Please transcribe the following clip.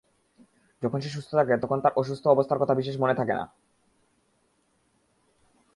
যখন সে সুস্থ থাকে, তখন তার অসুস্থ অবস্থার কথা বিশেষ মনে থাকে না।